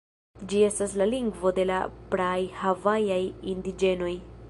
Ĝi estas la lingvo de la praaj havajaj indiĝenoj.